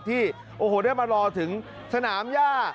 ที่โอ้โหเรียกเล่ามารอถึงสนามย่า